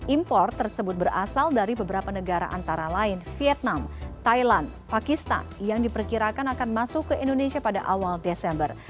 impor tersebut berasal dari beberapa negara antara lain vietnam thailand pakistan yang diperkirakan akan masuk ke indonesia pada awal desember